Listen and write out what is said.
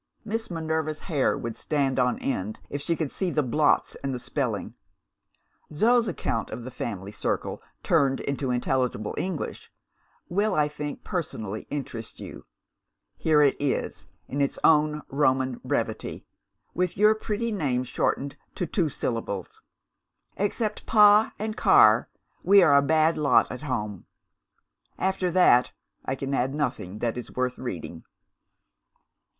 Miss Minerva's hair would stand on end if she could see the blots and the spelling. Zo's account of the family circle (turned into intelligible English), will I think personally interest you. Here it is, in its own Roman brevity with your pretty name shortened to two syllables: 'Except Pa and Car, we are a bad lot at home.' After that, I can add nothing that is worth reading.